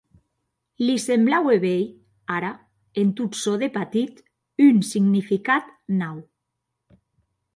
Li semblaue veir, ara, en tot çò de patit un significat nau.